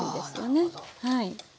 あなるほど。